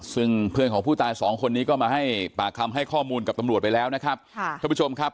ซึ่งเพื่อนของผู้ตาย๒คนนี้ก็มาให้บากคำให้ข้อมูลกับตำรวจไปแล้วนะครับ